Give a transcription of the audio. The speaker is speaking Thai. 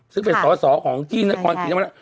ซึ่งเป็นสตของชีวิตนกรตินทรัพย์